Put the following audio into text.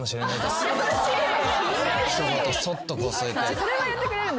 それは言ってくれるんですね。